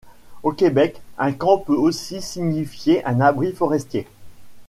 Au Québec, un camp peut aussi signifier un abri forestier.